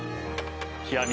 極み